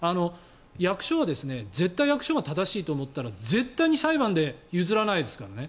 役所は絶対役所が正しいと思ったら絶対に裁判で譲らないですからね。